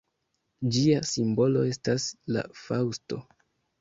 Ĝia simbolo estas la faŭsto.